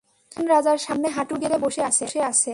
নতুন রাজার সামনে হাঁটু গেড়ে বসে আছে।